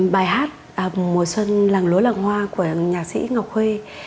bài hát mùa xuân làng lúa làng hoa của nhạc sĩ ngọc huê